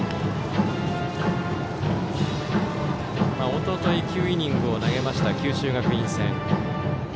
一昨日９イニングを投げました九州学院戦。